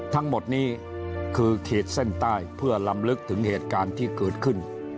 ทั้งหมดนี้คือขีดเส้นใต้เพื่อลำลึกถึงเหตุการณ์ที่เกิดขึ้น